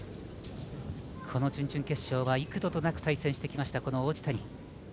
この準々決勝は幾度となく対戦してきました王子谷。